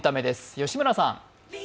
吉村さん。